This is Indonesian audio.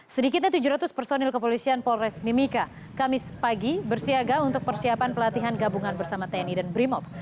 sedikitnya tujuh ratus personil kepolisian polres mimika kamis pagi bersiaga untuk persiapan pelatihan gabungan bersama tni dan brimob